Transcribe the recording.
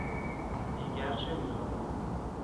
دیگر چه میخواهید؟